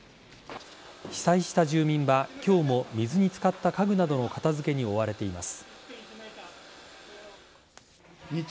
被災した住民は今日も水に漬かった家具などの片付けに追われています。